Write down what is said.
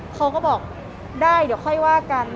เขาก็บอกได้เดี๋ยวค่อยว่ากัน